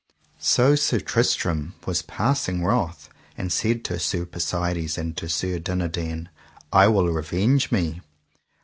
So Sir Tristram was passing wroth, and said to Sir Persides and to Sir Dinadan: I will revenge me.